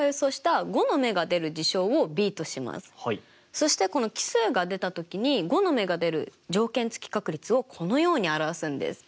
そしてこの奇数が出た時に５の目が出る条件付き確率をこのように表すんです。